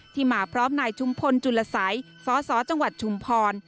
ที่มาพร้อมในชุมพลจุลศัยสจังหวัดชุมพร